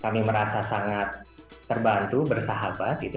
kami merasa sangat terbantu bersahabat gitu